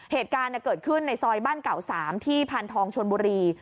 เหตุการณ์เกิดขึ้นในซอยบ้านเก่า๓ที่พานทองชนบุรี